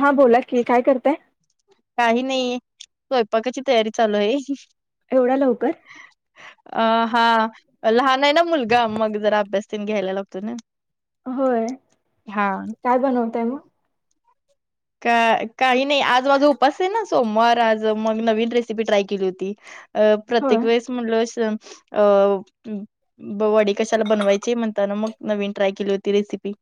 हा बोला की काय करताय? काही नाही स्वयंपाकाची तयारी चालू आहे. एवढा लवकर अ हा लहान आहे ना मुलगा मग जरा अभ्यास तेन घ्यायला लागतो ना. होय हा काय बनवताय मग? का काही नाही आज माझा उपास आहे ना सोमवार आज मग नवीन रेसिपी ट्राय केली होती. अ होय प्रत्येक वेळेस म्हटलंस अ ब वडी कशाला बनवायची म्हणताना मग नवीन ट्राय केली होती रेसिपी.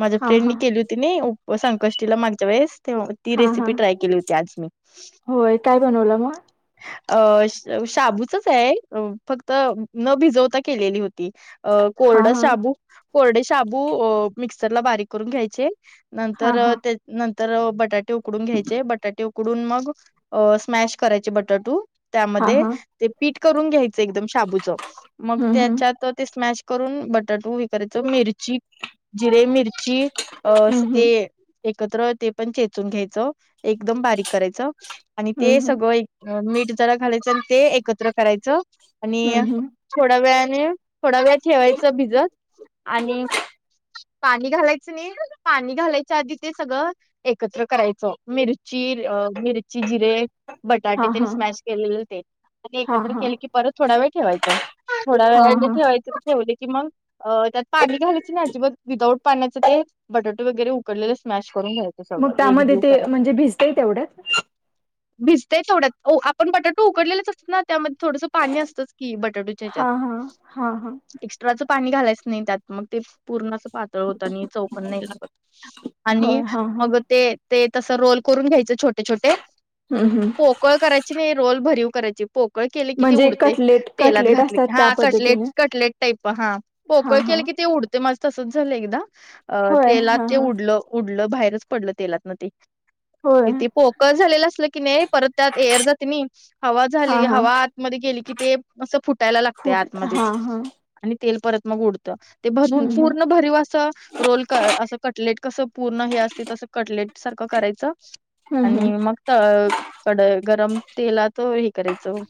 माझ्या हा हा फ्रेंडनी केली होती नाही संकष्टीला मागच्या वेळेस तेव्हा ती हा हा रेसिपी ट्राय केली होती आज मी. होय काय बनवलं मग अ श शाबूचाच आहे फक्त न भिजवता केलेली होती. अ हा कोरडा हा शाबू कोरडे शाबू मिक्सरला अ बारीक करून घ्यायचे. हा नंतर हा ते नंतर बटाटे उकडून घ्यायचे बटाटे उ कुडून मग अ स्मॅश करायचे बटाटू हा त्यामध्ये हा ते पीठ करून घ्याय चे एकदम शाबूचा मग हम्म हम्म त्याच्यात ते स्मॅश करून बटाटू वी करायच मिरची, जिरे मिरची अ असं हम्म ते एकत्र ते पण चेचून घ्यायचं एकदम बारीक करायचं आणि हम्म ते हम्म सगळं ए अ मीठ जरा घालायचं आणि ते एकत्र करायचं आणि अ हम्म हम्म थोड्या वेळाने थोडा वेळ ठेवायचं भिजत आणि पाणी घालायचं नाही पाणी घालायचं आदी ते सगळं एकत्र करायचं मिरची अ मिरची, जिरे हा बटाटे तेन हा स्मॅश केलेले ते आणि हा एकत्र हा केले की परत थोडा वेळ ठेवायचं थोडा हा वेळाने हा ठेवायचं तर ठेवू दे कि मग अ त्यात पाणी घालायचं नाही अजिबात विदाऊट पाण्याच ते बटाटे वगैरे उकडलेलं मॅश करून घ्याय मग त्यामध्ये ते म्हणजे भिजतय तेवढ्यात? भिजतेय थोड्यात ओ आपण बटाटो उकडलेलेचं असतात ना त्यामध्ये थोडंसा पाणी असतच कि बटाटूच्या हेच्यात. हा हा हा हा एक्स्ट्राचं पाणी घालायच नाही त्यात मग ते पूर्णच पातळ होतं आणि चव पण नाही लागत. आणि होय हा हा मग ते ते तसं रोल करून घ्यायचं छोटे-छोटे हम्म हम्म. पोकळ करायची नाही रोल भरीव करायची पोकळ केले ती म्हणजे उडते. कटलेट तेलात कटलेट घातले असतात की त्या हा कटलेट पद्धतीने कटलेट टाईप हा हा पोकळ हा केलं की ते उड ते माझ तसंच झालं एकदा अ होय तेलात हा ते हा उडलं उडलं बाहेरच पडलं तेलात ना ते. होय इती पोकळं झालेलं असलं की नाही परत त्यात एअर जाते नी. हवा हा झाली हा हवा आतमध्ये गेली की ते असं फुटायला लागते फुट हा आतमध्येच. हा आणि तेल परत मग उडतं ते भरवून हम्म हम्म पूर्ण भरीव असं रोल क असं कटलेट कसं पूर्ण हे असते तसं कटलेट सारखं करायचं हम्म हम्म आणि मग त कड गरम तेलात हे करायचं.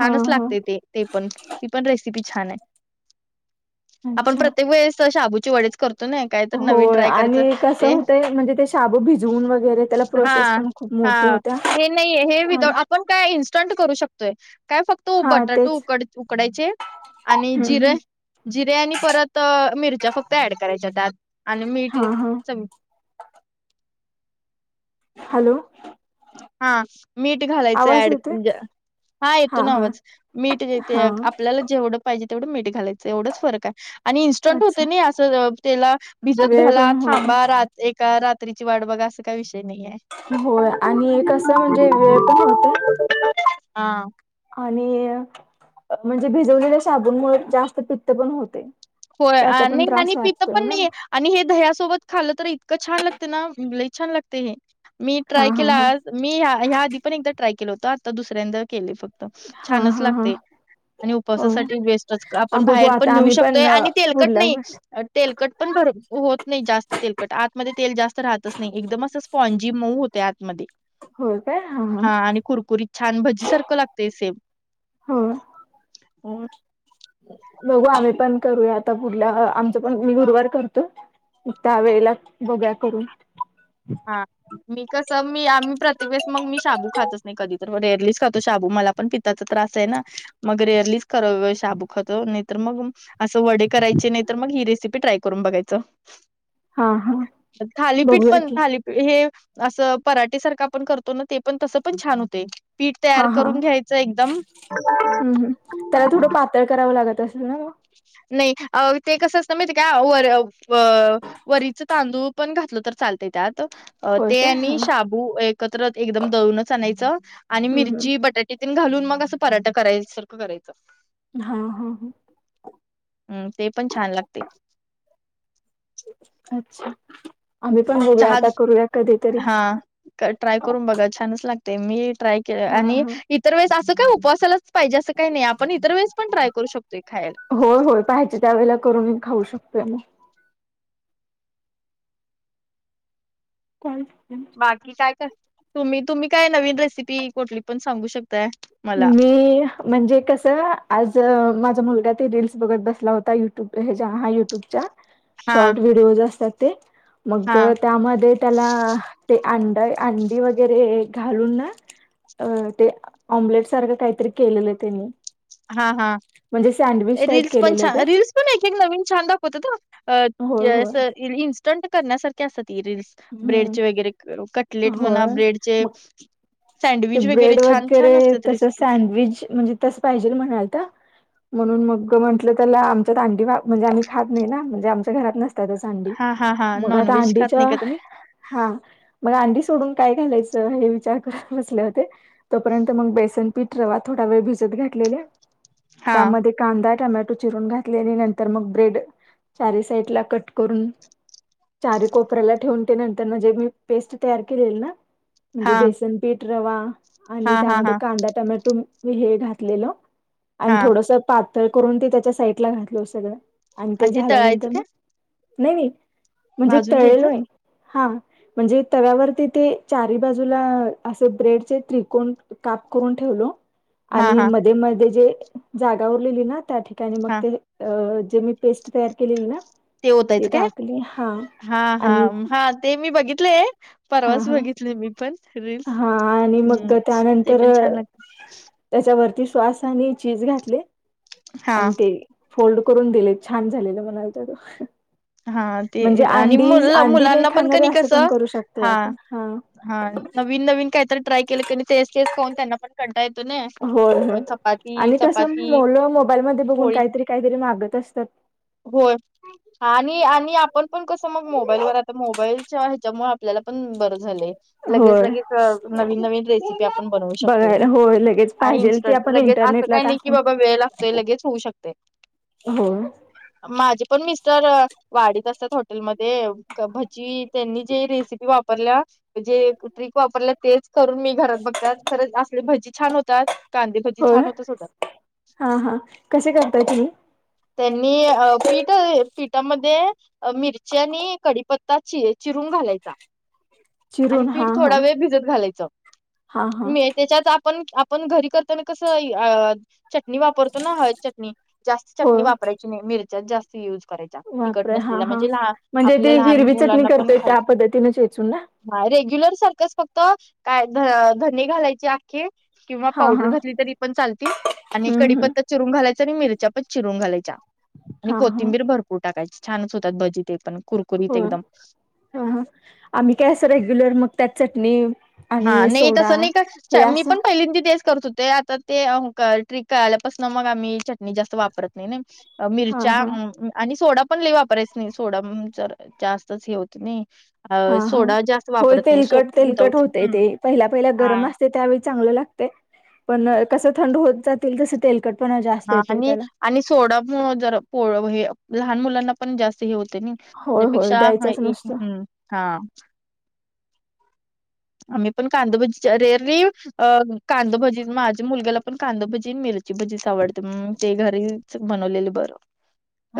हा हा लागते ते ते पण ती पण रेसपी छान आहे आपण अच्छा. प्रत्येक वेश शाबूचा वडेच करतो ना काय तर नवीन होय ट्राय आणि करायचं. कसं ते होतंय म्हणजे ते शाबू भिजवून वगैरे त्याला हा प्रोसेस पण खूप हा मोठी होत्या हे नाहीये हे विदा आणि पण काय इन्स्टंट करू शकतोय काय फक्त हा बटाटो तेच उकड उकडायचे आणि हम्म जिरे हम्म जिरे आणि परत अ मिरच्या फक्त ऍड करायच्या त्यात आणि मीठ हा हा च हॅलो. हा. मीठ घालायचं आवाज ऍड येतोय? म्हणजे हा येतो आवाज मीठ ते हा आपल्याला जेवढ पाहिजे तेवढं मीठ घालायचं एवढंच फरक आहे. आणि इन्स्टंट होते अच्छा नि असं त्याला भिजत वेळ घाला पण हो थांबा रा एका रात्रीची वाट बघास काय विषय नाही आहे. होय आणि कसं म्हणजे वेळ पण होतय आ आणि म्हणजे भिजवलेल्या शाबूनमुळे जास्त पित्त पण होते. हो त्याचा पण आणि त्रास आणि पितं वाचतोय पण ना नाहीये. आणि हे दह्यासोबत खालं तर इतकं छान लागते ना लय छान लागते हे मी हा ट्राय हा केला हा आ मी ह्या ह्या आधी पण एकदा ट्राय केलं होतं आत्ता दुसऱ्यांदा केले फ हा छानच हा हा लागते आणि होय. उपवासासाठी वेस्टच आपण बघू बाहेर पण आता नेऊ आम्ही शक ते आणि तेलकट पुढल्या नाही अ तेलकट पण भर होत नाही जास्त तेलकट आतमध्ये तेल जास्त राहतच नाही एकदम असच पॉणजी मऊ होते आतमध्ये. हा आणि कुरकुरीत छान भजी सारखं लागतय सेम. होय. ओड बघू आम्ही पण करूया आता पुढल्या आमचं पण मी गुरुवारी करतो. त्या वेळेला बघू या करून. हा. मी कसं मी आम्ही प्रतिवेेस मग मी शाबू खातच नाही कधी तर रेरलीच खातो शाबू मला पण ती ताचा त्रास आहे ना मग रेअरलीच करं शाबू खातो नाही तर मग असं वडे करायचे नाही तर मग ही रेसिपी ट्राय करून बघायचं. हा हा थालीपीठ बघूया पण की थालीपीठ हे असं पराटे सारखं आपण करतो ना ते पण तसं पण छान होते. पीठ तयार हा हा करून हम्म घ्यायचं एकदम तय कराववा लागत असेल म. नाही अ ते कसं असतं माहिती का वर व वरीचा तांदूळ पण घातलं तर चालते त्यात. अ होय ते काय आणि हा शाबू एकत्र एकदम दळूनच आणायचं आणि हम्म मिरची हम्म बटा तेतीन घालून मग असं पराठा करायसारखं करायचं. हा हा हा. हम्म ते पण छान लागते. अच्छा आम्ही पण बघू या आता करूया कधीतरी. क ट्राय करून बघा छानच लागते मी ट्राय केलं हा आणि हा इतर वेळेस असं काय उपवासाला पाहिजे असं काही नाही आपण इतर वेस पण ट्राय करू शकतोय खायला. हो होय पहाचे त्यावेळेला करून मी खाऊ शकतोय मग. कॉल जंग बाकी काय कर तुम्ही तुम्ही काय नवीन रेसिपी कोठली पण सांगू शकताय. मला मी म्हणजे कसं आज माझा मुलगा ते रील्स बघत बसला होता. युट्यूब हेज्या हा युट्यूब चा हा शॉर्ट व्हिडिओज असतात ते हा मगं त्यामध्ये त्याला ते अंड अंडी वगैरे घालून ना अ ते ऑम्लेट सारखं काहीतरी केलेलं त्यांनी. हा हा म्हणजे सँडविच टाईप रील्स पण केलेलं छान ते. रील्स पण एक एक नवीन छान दाखवत हा. अं होय अं होय असं इन्स्टंट करण्यासारखी असत्यात हे रील्स. हम्म ब्रेडचे वगैरे कटलेट म्हणा होय ब्रेडचे मग ते सँडविच ब्रेड छान वगैरे छान असतात तसं रेसिपीज. सँडविच म्हणजे तस पाहिजे म्हणालता. म्हणून मग म्हटलं त्याला आमच्यात अंडी म्हणजे आमही खात नाही ना. म्हणजे आमच्या घरात नस तरच अंडी, हां, हां, हां. मग आता नॉनव्हेज खात नाही अंडीच्या का तुम्ही? हा, मग अंडी सोडून काय घालायचं हे विचार कर बसले होते, तोपर्यंत मग बेसन पीठ, रवा थोडा वेळ भिजत घातलेल्या. हां, त्यामध्ये कांदा, टोमॅटो चिरून घातले आणि नंतर मग ब्रेड चारी साईडला कट करून चारी कोपऱ्याला ठेवून ते नंतर जे मी पेस्ट तयार केलेली ना म्हणजे हां, बेसन पीठ, रवा आणि हां, हां, त्यामध्ये हां, कांदा, टोमॅटो मु हे घातलेलं आणि हां. थोडंसं पातळ करून ते त्याच्या साईडला घातलो सगळं. आणि ते झाल्यानंतर मग नाही मी म्हणजे भाजून घ्यायचं? तळलोय. हा म्हणजे तव्यावरती ते चारी बाजूला असे ब्रेडचे त्रिकोण काप करून ठेवलो हां, आणि हां, मध्ये मध्ये जे जागा उरलेली ना त्या ठिकाणी मग हां. ते जे अ मी पेस्ट तयार केलेली ना ते ती ओतायच काय? टाकली हा हा, हा, आणि हा ते मी बघितलेय. हा परवाच हा बघितले मी पण रील्स. हा आणि मग हम्म ते पण छान लागते. त्याच्या वरती श्वास आणि चीज घातले हां. आणि ते फोल्ड करून दिले छान झालेलं म्हणालता तो. हा ते आणि अंडी नाही मु-मुलांना पण खाणारे कनई असं पण कसं करू शकतोय हा आपण हा हा. नवीन नवीन काय तरी ट्राय केलं कनई तेच तेच खाऊन त्यांना पण कंटाळा येतो नई. होय तर होय चपाती आणि कसं चपाती मोलं मोबाईलमधे बघून पोळी काहीतरी, काहीतरी मागत असत्यात. होय. आणि आणि आपण पण कसं मग मोबाईलवर आता मोबाईलच्या ह्याच्यामुळे आपल्याला पण बरं झालंय. लगेच होय लगेच अ नवीन नवीन रेसिपी आपण बनवू शकतोय ना. बघायला होय लगेच आणि पाहिजेल ते इन्स्टंट आपण लगेच असं इंटरनेटला काय नाही की टाकून बाबा वेळ लागतोय, लगेच होऊ शकतंय. होय. माझे पण मिस्टर वाडीत असत्यात हो टेलमध्ये भजी त्यांनी जे रेसिपी वापरल्या जे ट्रिक वापरलं तेच करून मी घरात बघतात खरच असले भजी छान होतात. कांदे भजी होय छानच होतात. हा हा. कसे करताय तुम्ही? त्यांनी अ पीठ पीठामध्ये मिरची आणि कडीपत्ता चि-चिरून घालायचा. आणि चिरून पीठ हा हा थोडा वेळ भिजत घालायचं. हा हा मी त्याच्यात आपण आपण घरी करताना कसं अ चटणी वापरतो ना हळद चटणी जास्त. हो मी वापरायची नाही मिरच्याच जास्त युज करायच्या. तिखट बापरे हा नसलेल्या हा म्हणजे लहान म्हणजे आपल्या ती लहान हिरवी चटणी मुलांना पण करतोय खाय त्या पद्धतीने चेचून ना हा रेग्युलर सारखंच फक्त काय ध-धने घालायचे आख्खे. किंवा हा पावडर हा घातली तरी पण चालती आणि हम्म हम्म कडीपत्ता चिरून घालायचा आणि मिरच्या पण चिरून घालायच्या आणि हा हा कोथिंबीर भरपूर टाकायची. छानच होतात भजी ते पण. कुरकुरीत एकदम. हं हं आम्ही काय असं रेग्युलर मग त्यात चटणी हा आणि नाही सोडा तसं नाही का च हे मी असं पण पहिलिंदी तेच करतो होते आता ते अ ट्रिक कळाल्यापासून मग आम्ही चटणी जास्त वापरत नाही नई. हा मिरच्या हा म म आणि सोडा पण लय वापरायचा नाही सोडम जर जास्तच हे होतं नी. अ हा सोडा जास्त वापरत नाही सो विदाउट ते ते पहिला पहिला गरम अस ते त्यावळी चांग लागतय पण अ कसं थंड होत जात तसं तेलकट हा आणि आणि सोडा मो जरा पोळा हे लहान मुलांना पण जास्त हे होतेय नी. होय होय त्यापेक्षा हाय द्यायचाच ए नसतो हम्म हा. आम्ही पण कांदबजीचा रेअरी अ कांदाभजी माझ्या मुलग्याला पण कांदाभजी, मिरची भजी आवडते मग ते घरी च बनवलेलं बरं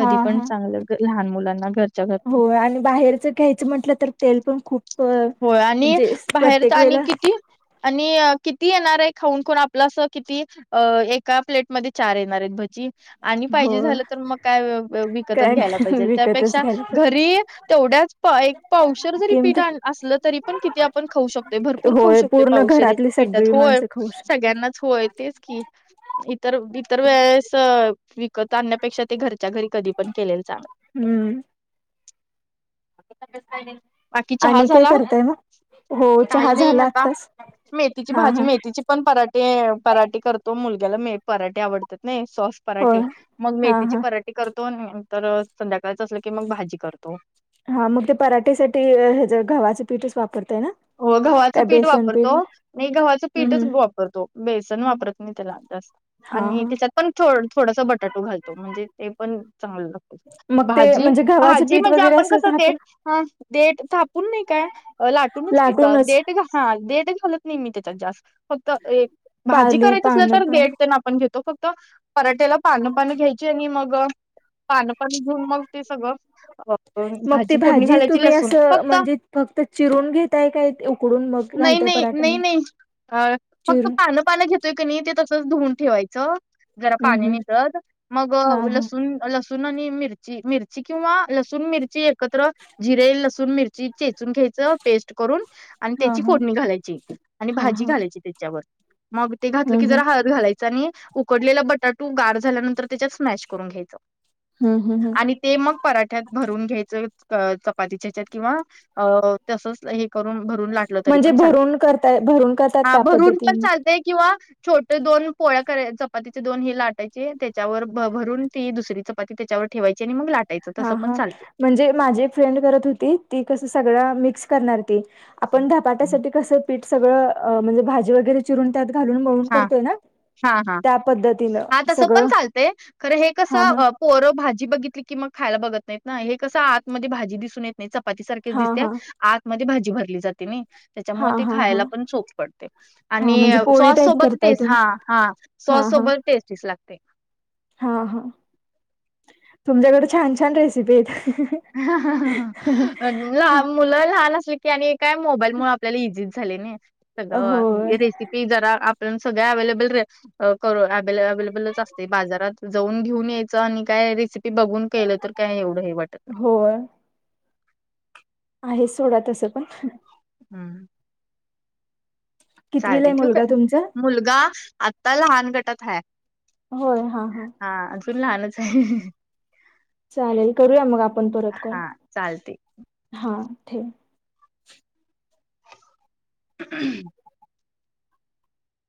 हा पण चांगलं लहान मुलांना घर हो आणि बाहेरचं घ्यायचं म्हटलं तर तेल पण खूप अ, होय आणि म्हणजे बाहेर त प्रत्येक आणि वेळेला किती आणि अ किती येणार आहे खाऊन कोण आपलंस किती अ एका प्लेटमध्ये चार येणार आहेत भज्जी आणि हो पाहिजे झालं तर मग काय वि विकतच काय घ्यायला पाहिजे विकतच त्यापेक्षा घ्यायला पाहिजे घरी तेवढ्याच प एक पावशर जरी पीठ किमती आण असलं तरी पण किती आपण खाऊ शकतोय भरपूर खाऊ होय शकतोय पूर्ण पावशऱ्या घरातली पिठात सगळी होय. माणसं खाऊ शकतात सगळ्यांनाच होय तेच की. इतर इतर वेळेस विकत आणण्यापेक्षा ते घरच्या घरी कधी पण केलेल चांगलं. हम्म. बाकी चहा आणि काय झाला करताय मग? हो काही चहा नाही झाला आता आत्ताच मेथीची हा भाजी हा.. मेथीची पण पराठे पराठे करतो मुलग्याला मे पराठे आवडतात ने सॉस होय पराठे मग हा मेथीची हा पराठी करतो आण तर संध्याकाळचा असलं की मग भाजी करतो. हा मग ते पराठेसाठी हेज्या गव्हाचे पीठच वापरतय ना? हो गव्हाचं काय पीठ बेसन वापरतो नाही गव्हाचं हम्म पीठच हम्म वाप करतो बेसन वापरत नाही त्याला आतास. हा आणि हा त्याच्यात पण थोड थोडासा बटाटो घालतो म्हणजे ते पण चांगलं लागतो. मग ते भाजी म्हणजे गव्हाचं भाजी पीठ म्हणजे वगैरे आपण असेल तर कसं डेट आपण हा डेट थापून नाही काय लाटूनच किदा लाटूनच डेट घा हा डेटच घालत नाही मी तेच्यात जास्त. फक्त एक भाजी पाले करायचं असल्या पान तर पण ब्रेडतेन आपण घेतो फक्त पराठ्याला पानं पानं घ्यायची आणि मग पानं पानं घेऊन मग ते सगळं अ मग ती भाजी फोडणी घालायची तुम्ही लसूण असं फक्त. म्हणजे फक्त चिरून घेताय काय उ नाही नाही नाही नाही हा फक्त चिरून पानं पानं घेत तोय क नी तसं धूवून ठेवायच जरा हम्म पाणी हम्म निगद मग हा हा लसूण लसू तुनानी आणि मिरची, मिरची किंवा लसूण, मिरची एकत्र जिरे, लसूण, मिरची चेचून घ्यायचं. पेस्ट करून आणि हा त्याची हा फोडणी घालायची आणि हा भाजी हा घालायची त्याच्यावर मग ते घातलं हम्म की हम्म जरा हळद घालायचं आणि उकडलेला बटाटू गार झाल्यानंतर त्याच्यात स्मॅश करून घ्यायचं. हम्म हम्म हम्म. आणि ते मग पराठ्यात भरून घ्यायचं चपातीच्या हेच्यात किंवा अ तसच हे करून भरून लाटलं तरी म्हणजे पण चालते भरून करताय भरून करतात हा त्या भरून पण पद्धतीने चालते किंवा छोटे दोन पोळ्या करे चपातीचे दोन हे लाटायचे त्याच्यावर भ भरून ती दुसरी च चपाती त्याच्यावर ठेवायची आणि मग लाट हा हा म्हणजे माझी एक फ्रेंड करत होती ती कसं सगळ्या मिक्स करणार ती आपण धापाट्यासाठी कसं पीठ सगळं अ म्हणजे भाजी वगैरे चिरून त्यात घालून मळून हा करतोय ना. हा हा त्या पद्धतीनं हा तसं पण सगळं चालतय खरं हे कसं हा हा अ पोरं भाजी बघितली की मग खायला बघत नाहीत ना हे कसं आतमध्ये भाजी दिसून येत नाही चपाती सारखेच हा दिसते हा आतमध्ये भाजी भरली जाते नी. हा त्याच्यामुळे ते हा हा खायला पण चोख पडते हा आणि म्हणजे पोळी सॉस टाईप सोबत करताय टेस तुम्ही हा हा हा सॉस हा सोबत टेस्टीच लागते. हा हा तुमच्याकडे छान-छान रेसिपी आहेत. मुलं लहान असली की आणि काय मोबाईल मूळं आपल्याला इझीच झाले ना होय सगळं रेसिपी की जरा आपण सगळ्या अवलेबल र अ कर अवलेबलच असते बाजारात. जाऊन घेऊन यायचं आणि काय रेसिपी बघून केलं तर काय एवढं हे वाट होय. आहे सोडा तसं पण हम्म. [inaudible] चालते ठीक मुलगा आहे तुमचा मुलगा आता लहान गटात आहे. होय हा हा. हा अजून लहानच आहे. चालेल करूया मग आपण परत कॉल हा चालते. हा ठेव. [inaudible]